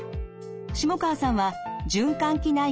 下川さんは循環器内科医